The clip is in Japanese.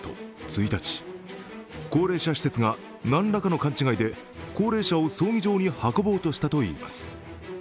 何らかの勘違いで高齢者を葬儀場に運ぼうとしたといいます。